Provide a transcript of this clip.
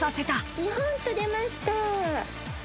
日本と出ました。